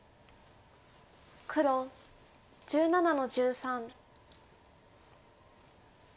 黒１７の十三。